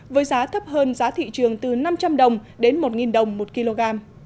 với giá thấp hơn giá thị trường từ năm trăm linh đồng đến một đồng một kg